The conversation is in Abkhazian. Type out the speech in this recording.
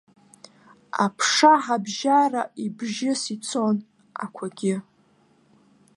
Аԥша ҳабжьара ибжьыс ицон, ақәагьы.